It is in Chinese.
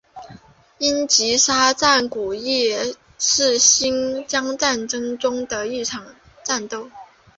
英吉沙战役是新疆战争中的一场战斗。